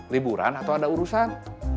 liburan atau ada urusan